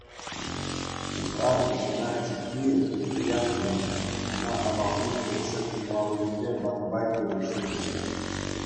Купратӑн кӑнар-тиккийӗ Питпуян пулнӑ, ӑна авалхи грексен чӑнлавӗсенче Батбай тесе ҫырнӑ.